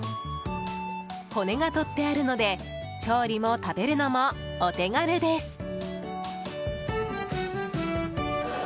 骨が取ってあるので調理も食べるのもお手軽です。